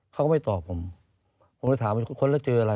เขาก็ไม่ตอบผมผมไปถามค้นแล้วเจออะไร